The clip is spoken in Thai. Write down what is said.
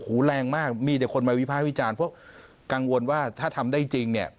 แรงมากมีแต่คนมาวิภาควิจารณ์เพราะกังวลว่าถ้าทำได้จริงเนี่ย